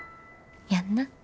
やんな。